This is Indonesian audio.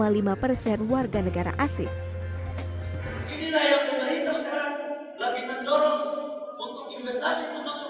inilah yang pemerintah sekarang lagi mendorong untuk investasi kemasuk ke daerah